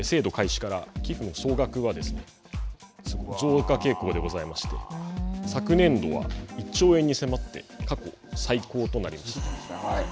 ２００８年の制度開始から寄付の総額は増加傾向でございまして昨年度は１兆円に迫って過去最高となりました。